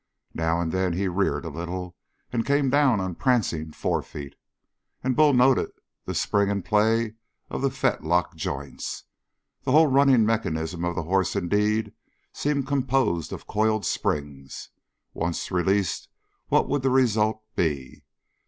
Now and then he reared a little and came down on prancing forefeet, and Bull noted the spring and play of the fetlock joints. The whole running mechanism of the horse, indeed, seemed composed of coiled springs. Once released, what would the result be?